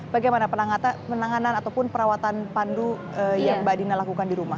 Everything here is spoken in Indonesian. bagaimana penanganan ataupun perawatan pandu yang mbak dina lakukan di rumah